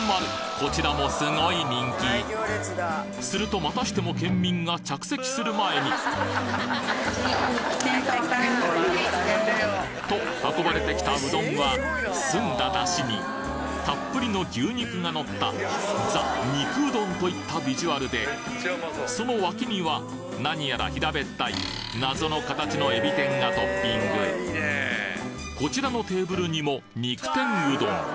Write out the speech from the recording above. こちらもすごい人気するとまたしても県民が着席する前にと運ばれてきたうどんは澄んだ出汁にたっぷりの牛肉がのったザ・肉うどんと言ったビジュアルでその脇には何やら平べったい謎の形の海老天がトッピングこちらのテーブルにも肉天うどん